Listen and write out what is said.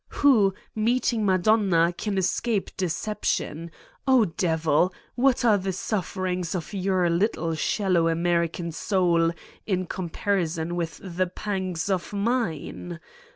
Who, meeting Madonna, can escape deception? Oh devil ! What are the sufferings of your little, shallow American soul in comparison with the pangs of mine?